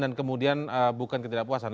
dan kemudian bukan ketidakpuasan